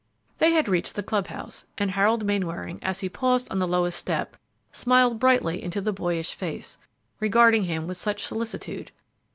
They had reached the club house, and Harold Mainwaring, as he paused on the lowest step, smiled brightly into the boyish face, regarding him with such solicitude.